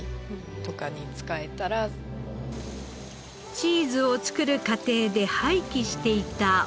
チーズを作る過程で廃棄していたホエー。